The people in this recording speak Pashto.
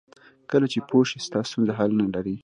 کله چې پوه شې ستا ستونزه حل نه لري.